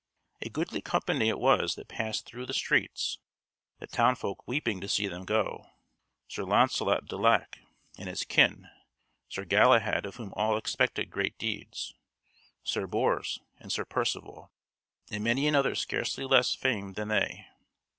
A goodly company it was that passed through the streets, the townfolk weeping to see them go; Sir Launcelot du Lac and his kin, Sir Galahad of whom all expected great deeds, Sir Bors and Sir Percivale, and many another scarcely less famed than they.